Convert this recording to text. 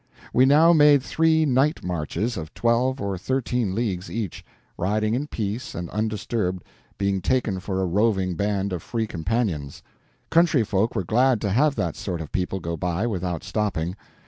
We now made three night marches of twelve or thirteen leagues each, riding in peace and undisturbed, being taken for a roving band of Free Companions. Country folk were glad to have that sort of people go by without stopping.